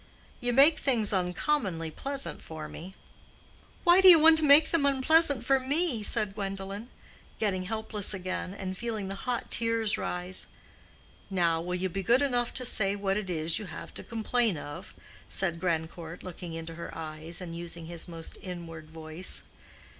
You make things uncommonly pleasant for me." "Why do you want to make them unpleasant for me?" said Gwendolen, getting helpless again, and feeling the hot tears rise. "Now, will you be good enough to say what it is you have to complain of?" said Grandcourt, looking into her eyes, and using his most inward voice.